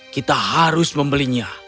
kita harus membelinya